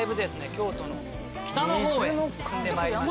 京都の北の方へ進んでまいりました。